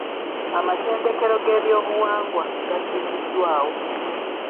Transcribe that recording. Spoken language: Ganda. Amatendekero g'ebyobuwangwa gaddiziddwawo.